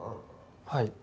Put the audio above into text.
はい。